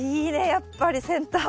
やっぱりセンターは。